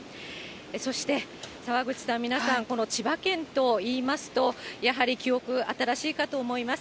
そして澤口さん、皆さん、この千葉県といいますと、やはり記憶新しいかと思います。